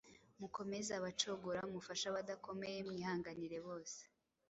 mukomeze abacogora, mufashe abadakomeye, mwihanganire bose.